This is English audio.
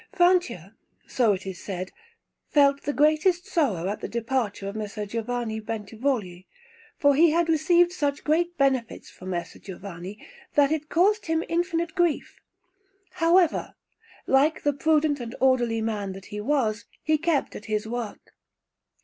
Francia, so it is said, felt the greatest sorrow at the departure of Messer Giovanni Bentivogli, for he had received such great benefits from Messer Giovanni, that it caused him infinite grief; however, like the prudent and orderly man that he was, he kept at his work.